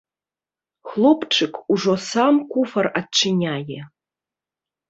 Хлопчык ужо сам куфар адчыняе.